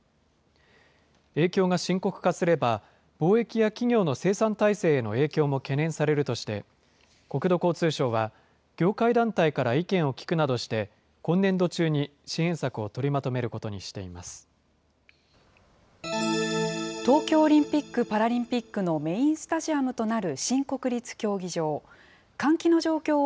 影響が深刻化すれば、貿易や企業の生産体制への影響も懸念されるとして、国土交通省は、業界団体から意見を聞くなどして今年度中に支援策を取りまとめる東京オリンピック・パラリンピックのメインスタジアムとなる新国立競技場。